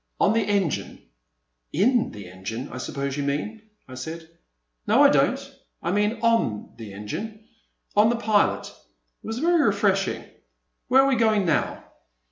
On the engine." In the engine I suppose you mean," I said. No I don't ; I mean on the engine,— on the pilot. It was very refreshing. Where are we going now?"